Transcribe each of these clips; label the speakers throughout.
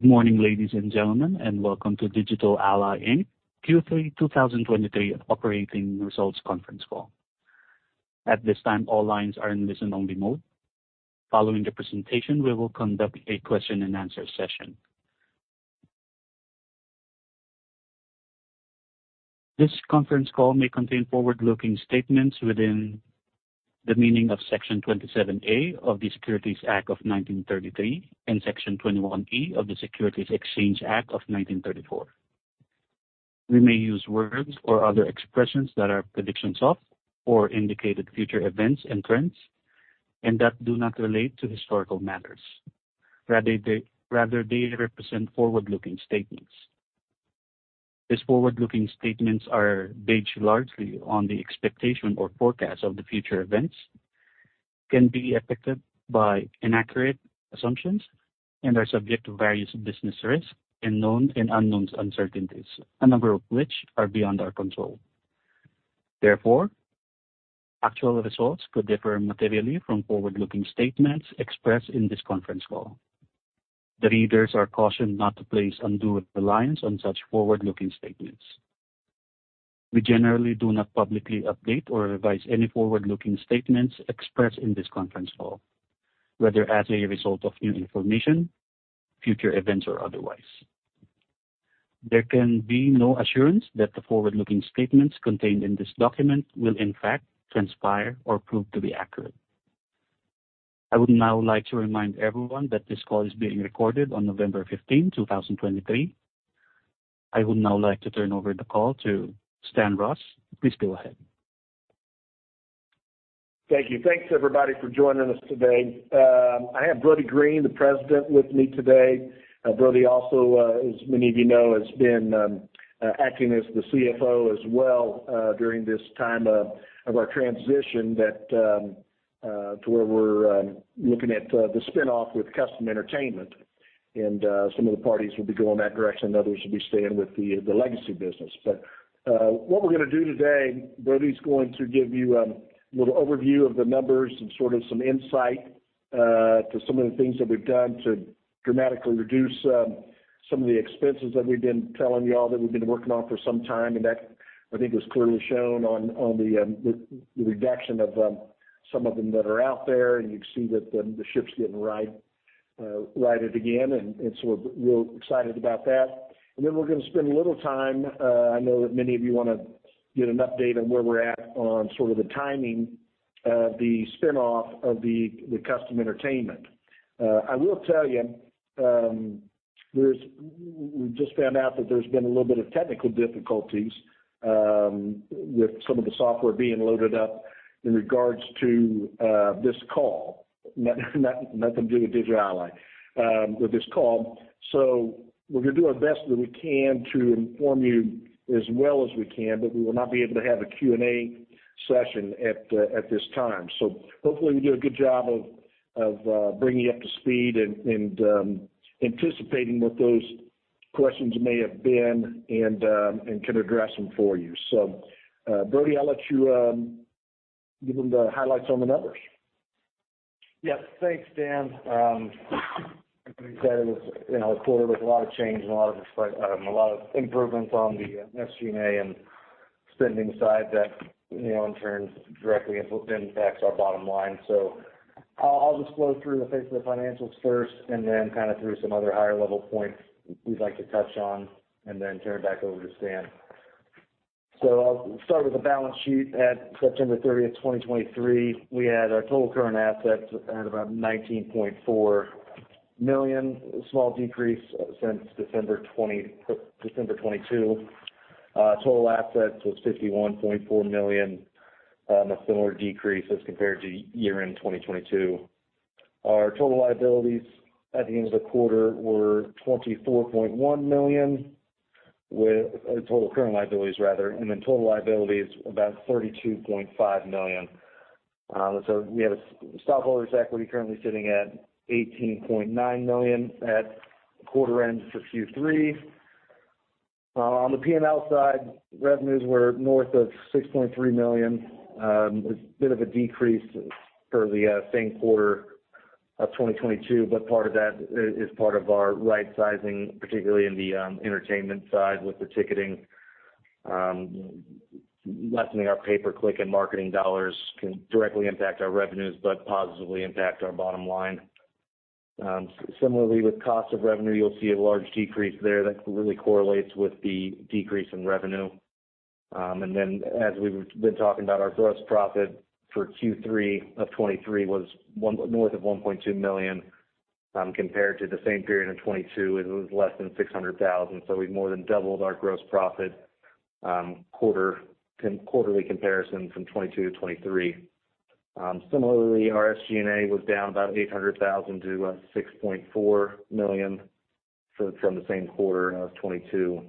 Speaker 1: Good morning, ladies and gentlemen, and welcome to Digital Ally, Inc. Q3 2023 Operating Results Conference Call. At this time, all lines are in listen-only mode. Following the presentation, we will conduct a question-and-answer session. This conference call may contain forward-looking statements within the meaning of Section 27A of the Securities Act of 1933 and Section 21E of the Securities Exchange Act of 1934. We may use words or other expressions that are predictions of or indicated future events and trends, and that do not relate to historical matters. Rather, they, rather, they represent forward-looking statements. These forward-looking statements are based largely on the expectation or forecast of the future events, can be affected by inaccurate assumptions and are subject to various business risks and known and unknown uncertainties, a number of which are beyond our control. Therefore, actual results could differ materially from forward-looking statements expressed in this conference call. The readers are cautioned not to place undue reliance on such forward-looking statements. We generally do not publicly update or revise any forward-looking statements expressed in this conference call, whether as a result of new information, future events, or otherwise. There can be no assurance that the forward-looking statements contained in this document will, in fact, transpire or prove to be accurate. I would now like to remind everyone that this call is being recorded on November 15, 2023. I would now like to turn over the call to Stan Ross. Please go ahead.
Speaker 2: Thank you. Thanks, everybody, for joining us today. I have Brody Green, the President, with me today. Brody also, as many of you know, has been acting as the CFO as well, during this time of our transition that to where we're looking at the spin-off with Kustom Entertainment, and some of the parties will be going that direction, and others will be staying with the legacy business. But what we're gonna do today, Brody's going to give you a little overview of the numbers and sort of some insight to some of the things that we've done to dramatically reduce some of the expenses that we've been telling you all that we've been working on for some time, and that, I think, is clearly shown on the reduction of some of them that are out there, and you can see that the ship's getting righted again, and so we're real excited about that. And then we're gonna spend a little time. I know that many of you wanna get an update on where we're at on sort of the timing of the spin-off of the Kustom Entertainment. I will tell you, there's been a little bit of technical difficulties with some of the software being loaded up in regards to this call. Nothing to do with Digital Ally, with this call. So we're gonna do our best that we can to inform you as well as we can, but we will not be able to have a Q&A session at this time. So hopefully, we do a good job of bringing you up to speed and anticipating what those questions may have been and can address them for you. So, Brody, I'll let you give them the highlights on the numbers.
Speaker 3: Yes. Thanks, Stan. Like I said, it was, you know, a quarter with a lot of change and a lot of improvements on the SG&A and spending side that, you know, in turn, directly impacts our bottom line. So I'll just flow through the pace of the financials first and then kind of through some other higher-level points we'd like to touch on, and then turn it back over to Stan. So I'll start with the balance sheet. At September 30th, 2023, we had our total current assets at about $19.4 million, a small decrease since December 2022. Total assets was $51.4 million, a similar decrease as compared to year-end 2022. Our total liabilities at the end of the quarter were $24.1 million, with total current liabilities, rather, and then total liability is about $32.5 million. So we have a stockholders' equity currently sitting at $18.9 million at quarter end for Q3. On the P&L side, revenues were north of $6.3 million. It's a bit of a decrease for the same quarter of 2022, but part of that is part of our right sizing, particularly in the entertainment side with the ticketing. Lessening our pay-per-click and marketing dollars can directly impact our revenues, but positively impact our bottom line. Similarly, with cost of revenue, you'll see a large decrease there that really correlates with the decrease in revenue. And then as we've been talking about, our gross profit for Q3 of 2023 was north of $1.2 million, compared to the same period in 2022, it was less than $600,000. So we've more than doubled our gross profit, quarterly comparison from 2022 to 2023. Similarly, our SG&A was down about $800,000 to $6.4 million from the same quarter of 2022.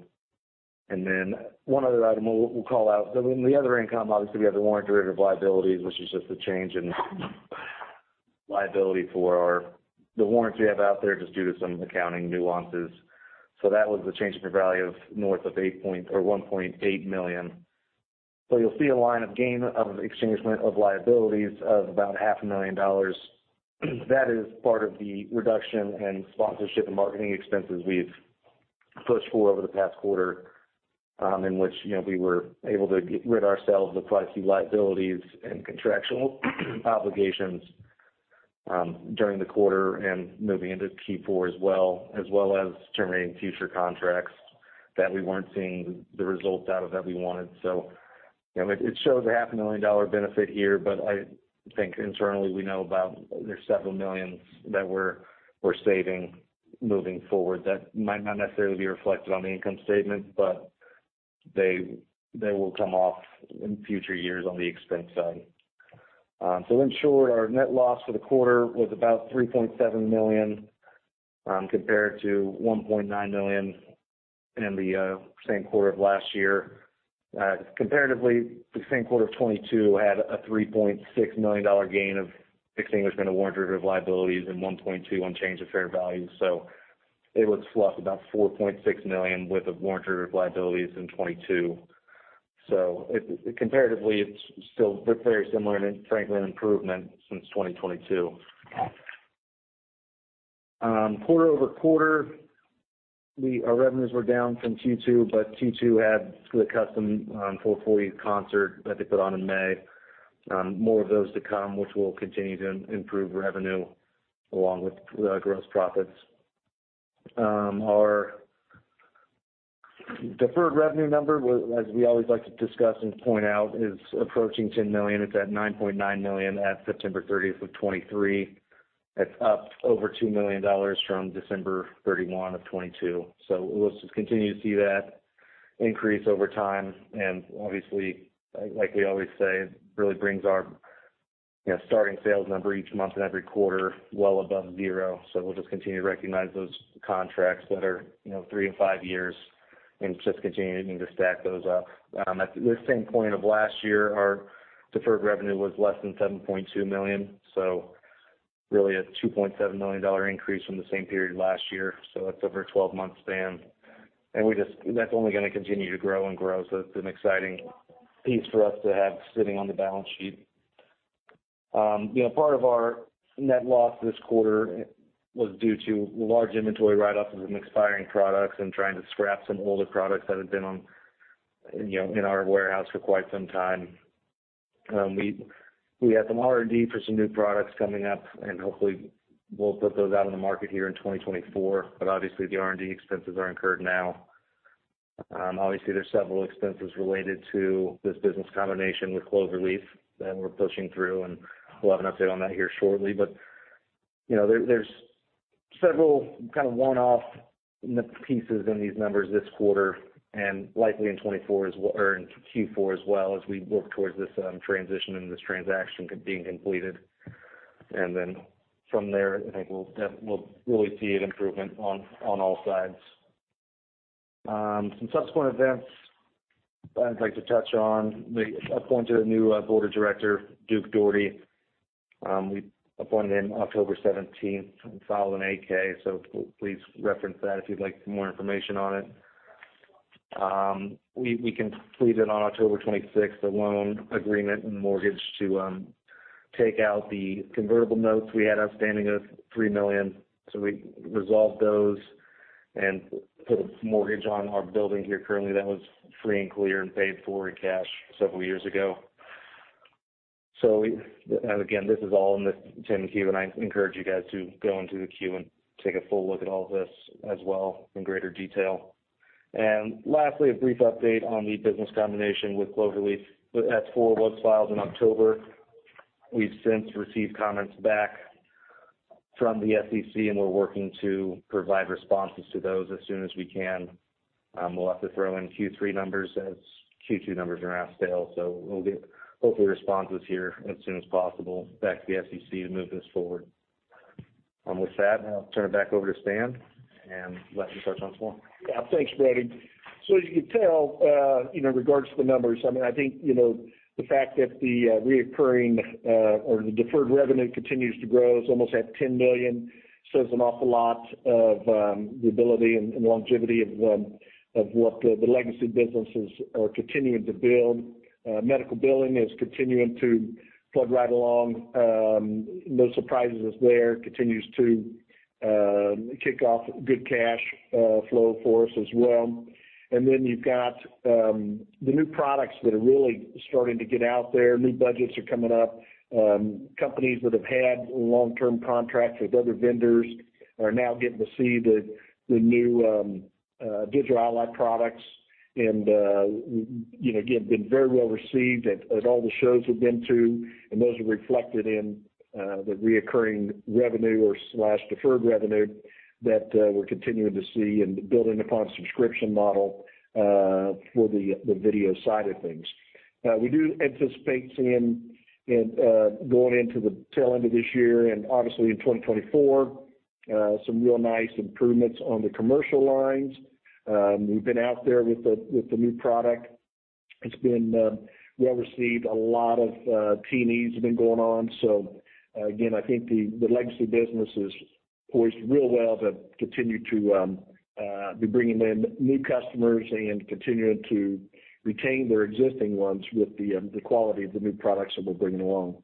Speaker 3: And then one other item we'll, we'll call out, the other income, obviously, we have the warrant derivative liabilities, which is just a change in liability for our... The warrants we have out there just due to some accounting nuances. So that was the change in fair value of north of eight point or $1.8 million. So you'll see a line of gain of extinguishment of liabilities of about $500,000. That is part of the reduction in sponsorship and marketing expenses we've pushed for over the past quarter, in which, you know, we were able to get rid of ourselves of quite a few liabilities and contractual obligations, during the quarter and moving into Q4 as well, as well as terminating future contracts that we weren't seeing the results out of that we wanted. So, you know, it, it shows a $500,000 benefit here, but I think internally, we know about there's several million dollars that we're, we're saving moving forward. That might not necessarily be reflected on the income statement, but they, they will come off in future years on the expense side. So in short, our net loss for the quarter was about $3.7 million compared to $1.9 million in the same quarter of last year. Comparatively, the same quarter of 2022 had a $3.6 million gain of extinguishment of warrant derivative liabilities and $1.2 million on change of fair value. So it was plus about $4.6 million with the warrant derivative liabilities in 2022. Comparatively, it's still very similar and frankly an improvement since 2022. Quarter-over-quarter, our revenues were down from Q2, but Q2 had the Kustom 440 concert that they put on in May. More of those to come, which will continue to improve revenue along with gross profits. Our deferred revenue number, as we always like to discuss and point out, is approaching $10 million. It's at $9.9 million at September 30, 2023. That's up over $2 million from December 31, 2022. So we'll just continue to see that increase over time. And obviously, like we always say, really brings our, you know, starting sales number each month and every quarter well above zero. So we'll just continue to recognize those contracts that are, you know, 3-5 years and just continuing to stack those up. At this same point of last year, our deferred revenue was less than $7.2 million, so really a $2.7 million increase from the same period last year. So that's over a 12-month span. We just, that's only gonna continue to grow and grow, so it's an exciting piece for us to have sitting on the balance sheet. You know, part of our net loss this quarter was due to large inventory write-offs of some expiring products and trying to scrap some older products that have been on, you know, in our warehouse for quite some time. We had some R&D for some new products coming up, and hopefully we'll put those out on the market here in 2024. But obviously, the R&D expenses are incurred now. Obviously, there's several expenses related to this business combination with Clover Leaf that we're pushing through, and we'll have an update on that here shortly. But, you know, there, there's several kind of one-off pieces in these numbers this quarter and likely in 2024 as well, or in Q4 as well, as we work towards this transition and this transaction being completed. And then from there, I think we'll really see an improvement on all sides. Some subsequent events I'd like to touch on. We appointed a new board of director, Duke Daugherty. We appointed him October 17th, and filed an 8-K, so please reference that if you'd like more information on it. We completed on October 26th, a loan agreement and mortgage to take out the convertible notes we had outstanding of $3 million. So we resolved those and put a mortgage on our building here currently, that was free and clear and paid for in cash several years ago. So, and again, this is all in the 10-Q, and I encourage you guys to go into the Q and take a full look at all this as well, in greater detail. And lastly, a brief update on the business combination with Clover Leaf. That's S-4 of those filed in October. We've since received comments back from the SEC, and we're working to provide responses to those as soon as we can. We'll have to throw in Q3 numbers, as Q2 numbers are out of scale, so we'll get, hopefully, responses here as soon as possible back to the SEC to move this forward. With that, I'll turn it back over to Stan and let you touch on some more.
Speaker 2: Yeah. Thanks, Brody. So as you can tell, you know, in regards to the numbers, I mean, I think, you know, the fact that the recurring or the deferred revenue continues to grow, it's almost at $10 million, says an awful lot of the ability and longevity of what the legacy businesses are continuing to build. Medical billing is continuing to plug right along. No surprises there. Continues to kick off good cash flow for us as well. And then you've got the new products that are really starting to get out there. New budgets are coming up. Companies that have had long-term contracts with other vendors are now getting to see the new Digital Ally products and, you know, again, been very well received at all the shows we've been to. And those are reflected in the recurring revenue or slash deferred revenue that we're continuing to see and building upon a subscription model for the video side of things. We do anticipate seeing and going into the tail end of this year and obviously in 2024 some real nice improvements on the commercial lines. We've been out there with the new product. It's been well received. A lot of T&Es have been going on. So again, I think the legacy business is... poised real well to continue to be bringing in new customers and continuing to retain their existing ones with the quality of the new products that we're bringing along.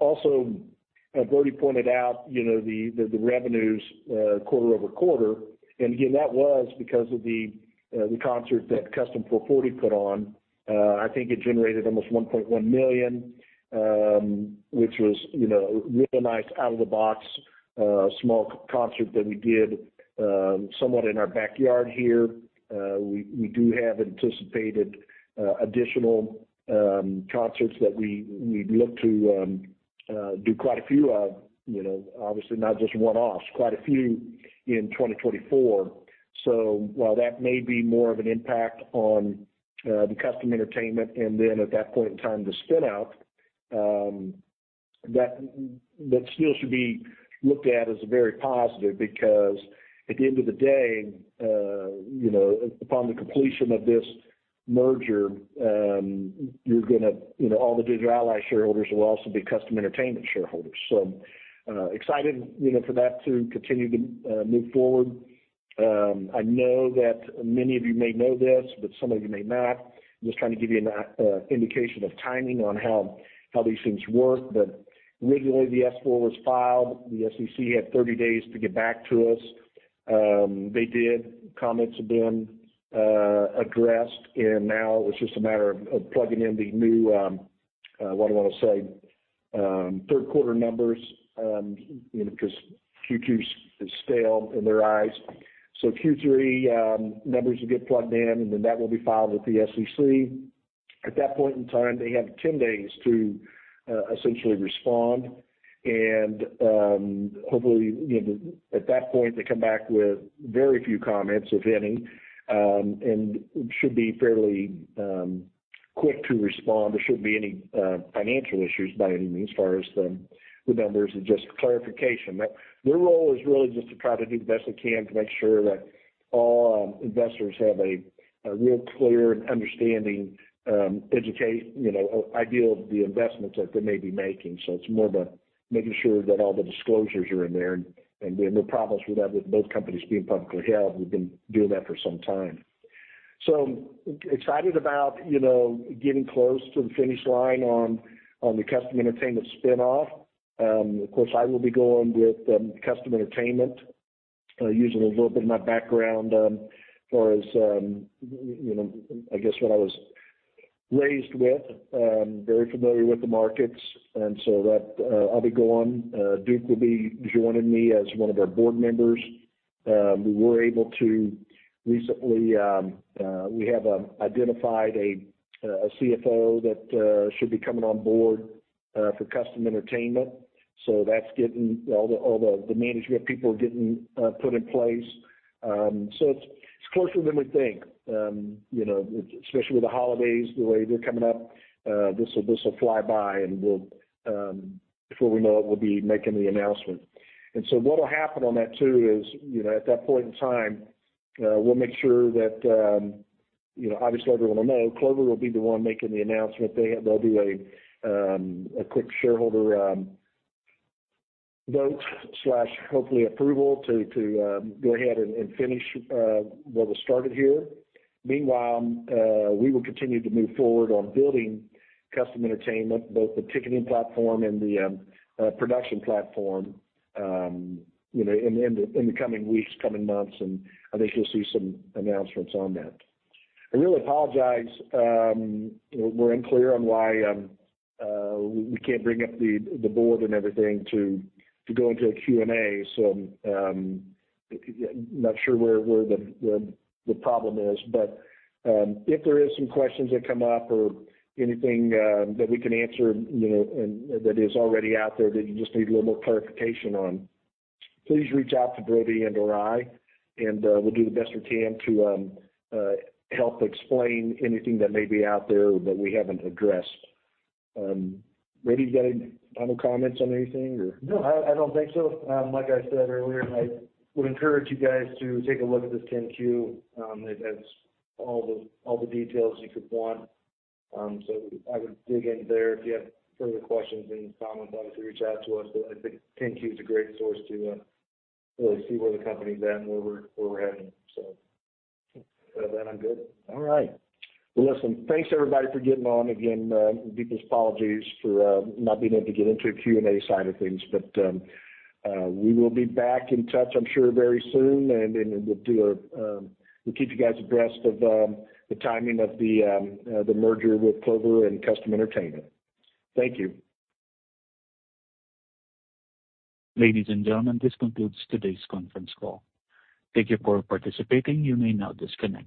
Speaker 2: Also, as Brody pointed out, you know, the revenues quarter-over-quarter, and again, that was because of the concert that Kustom 440 put on. I think it generated almost $1.1 million, which was, you know, really nice out of the box small concert that we did somewhat in our backyard here. We do have anticipated additional concerts that we'd look to do quite a few of, you know, obviously not just one-offs, quite a few in 2024. So while that may be more of an impact on the Kustom Entertainment, and then at that point in time, the spin out, that still should be looked at as a very positive, because at the end of the day, you know, upon the completion of this merger, you're gonna, you know, all the Digital Ally shareholders will also be Kustom Entertainment shareholders. So, excited, you know, for that to continue to move forward. I know that many of you may know this, but some of you may not. I'm just trying to give you an indication of timing on how these things work. But originally, the S-4 was filed. The SEC had 30 days to get back to us. They did. Comments have been addressed, and now it's just a matter of plugging in the new third quarter numbers, you know, because Q2's is stale in their eyes. So Q3 numbers will get plugged in, and then that will be filed with the SEC. At that point in time, they have 10 days to essentially respond, and hopefully, you know, at that point, they come back with very few comments, if any, and should be fairly quick to respond. There shouldn't be any financial issues by any means, as far as the numbers and just clarification. But their role is really just to try to do the best they can to make sure that all investors have a real clear understanding, you know, idea of the investments that they may be making. So it's more about making sure that all the disclosures are in there, and we have no problems with that, with both companies being publicly held. We've been doing that for some time. So excited about, you know, getting close to the finish line on the Kustom Entertainment spin-off. Of course, I will be going with Kustom Entertainment, using a little bit of my background, as far as, you know, I guess, what I was raised with. Very familiar with the markets, and so that, I'll be going. Duke will be joining me as one of our board members. We were able to recently, we have identified a CFO that should be coming on board for Kustom Entertainment. So that's getting all the, all the management people are getting put in place. So it's closer than we think. You know, especially with the holidays, the way they're coming up, this will fly by, and we'll, before we know it, we'll be making the announcement. And so what'll happen on that too is, you know, at that point in time, we'll make sure that, you know, obviously, everyone will know, Clover will be the one making the announcement. They have- there'll be a quick shareholder vote slash hopefully approval to go ahead and finish what was started here. Meanwhile, we will continue to move forward on building Kustom Entertainment, both the ticketing platform and the production platform, you know, in the coming weeks, coming months, and I think you'll see some announcements on that. I really apologize, we're unclear on why we can't bring up the board and everything to go into a Q&A. So, not sure where the problem is, but if there is some questions that come up or anything that we can answer, you know, and that is already out there, that you just need a little more clarification on, please reach out to Brody and/or I, and we'll do the best we can to help explain anything that may be out there that we haven't addressed. Brody, you got any final comments on anything or?
Speaker 3: No, I don't think so. Like I said earlier, I would encourage you guys to take a look at this 10-Q. It has all the, all the details you could want. So I would dig in there. If you have further questions and comments, obviously, reach out to us, but I think 10-Q is a great source to really see where the company's at and where we're, where we're heading. So other than that, I'm good.
Speaker 2: All right. Well, listen, thanks, everybody, for getting on. Again, deepest apologies for not being able to get into the Q&A side of things, but we will be back in touch, I'm sure, very soon, and then we'll do a, we'll keep you guys abreast of the timing of the merger with Clover and Kustom Entertainment. Thank you.
Speaker 1: Ladies and gentlemen, this concludes today's conference call. Thank you for participating. You may now disconnect.